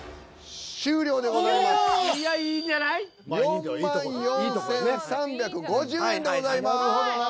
４万４，３５０円でございます。